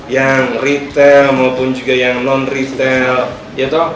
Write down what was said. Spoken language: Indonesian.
yang retail maupun juga yang non retail